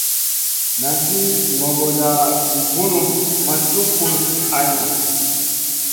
Nan sli gogoda vi bunu ma cuk kulufn hayna.